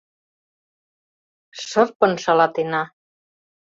Шырпын шалатена...